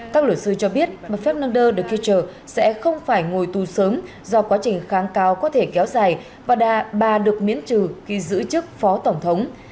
các lửa sư cho biết mà fernandez de kircher sẽ không phải ngồi tù sớm do quá trình kháng cao có thể kéo dài và đã bà được miễn trừ khi giữ chức phó tổng thống